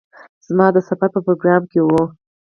زما د سفر په پروگرام کې وه.